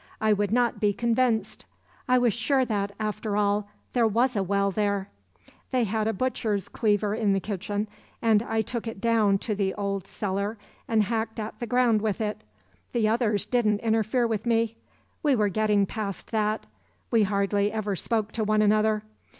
I would not be convinced. I was sure that, after all, there was a well there. They had a butcher's cleaver in the kitchen and I took it down to the old cellar and hacked at the ground with it. The others didn't interfere with me. We were getting past that. We hardly ever spoke to one another.